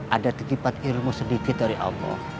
ada titipan ilmu sedikit dari allah